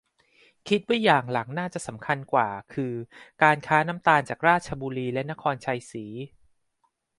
คิดว่าอย่างหลังน่าจะสำคัญกว่า คือการค้าน้ำตาลจากราชบุรีและนครไชยศรี